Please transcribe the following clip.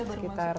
sekitar dua tahun